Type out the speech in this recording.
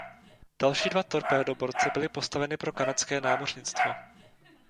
Další dva torpédoborce byly postaveny pro Kanadské námořnictvo.